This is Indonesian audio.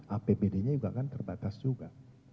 apbd nya juga kan terbatas juga